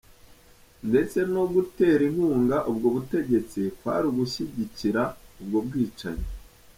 Ndetse no gutera inkunga ubwo butegetsi kwari ugushyigikira ubwo bwicanyi.